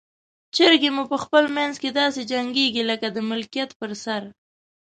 چرګې مو په خپل منځ کې داسې جنګیږي لکه د ملکیت پر سر.